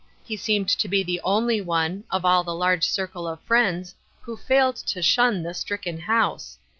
He seemed to be the only one, of all the large circle of fi iends, who failed to shun the stricken house.